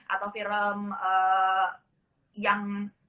atau film yang